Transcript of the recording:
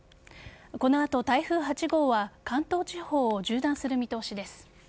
この後、台風８号は関東地方を縦断する見通しです。